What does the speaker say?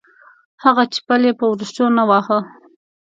هغه چې پل یې په ورشو نه واهه.